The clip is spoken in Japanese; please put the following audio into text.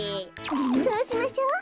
そうしましょう。